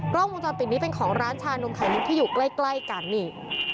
กล้องวงจรปิดนี้เป็นของร้านชานมไข่มุกที่อยู่ใกล้กันนี่